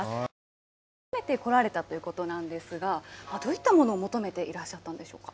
きょう、初めて来られたということなんですが、どういったものを求めていらっしゃったんでしょうか。